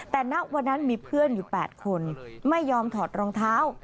แต่ณวันนั้นมีเพื่อนอยู่๘คนไม่ยอมถอดรองเท้า